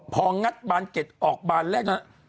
พองัดบานเก็ตออกบานแรกนั้น